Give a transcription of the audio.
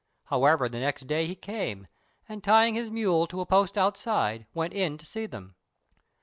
However, the next day he came, and, tying his mule to a post outside, went in to see them.